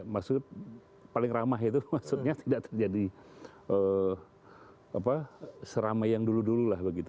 maksudnya paling ramah itu tidak terjadi seramai yang dulu dululah begitu